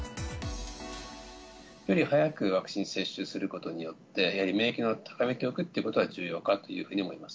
やっぱり早くワクチン接種することによって、免疫を高めておくということは重要かというふうに思います。